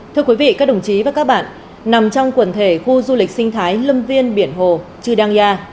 thưa quý vị các đồng chí và các bạn nằm trong quần thể khu du lịch sinh thái lâm viên biển hồ trừ đăng gia